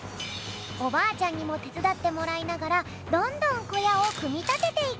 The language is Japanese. おばあちゃんにもてつだってもらいながらどんどんこやをくみたてていく。